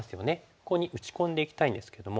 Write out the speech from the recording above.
ここに打ち込んでいきたいんですけども。